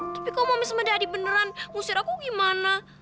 tapi kalau mami smedadi beneran ngusir aku gimana